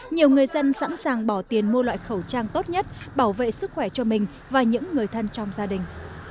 nhiều người dân sẵn sàng bỏ tiền mua loại khẩu trang tốt nhất bảo vệ sức khỏe cho mình và những người thân trong gia đình